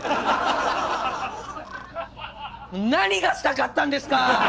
何がしたかったんですか！？